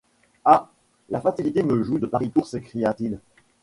Ah ! la fatalité me joue de pareils tours ! s’écria-t-il.